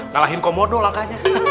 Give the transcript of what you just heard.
kalahin komodo langkanya